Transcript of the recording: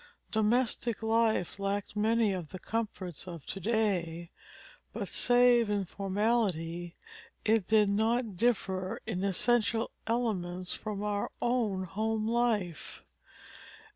Domestic life lacked many of the comforts of to day, but save in formality it did not differ in essential elements from our own home life.